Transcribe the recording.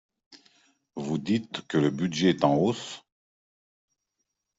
Vous dites que le budget est en hausse.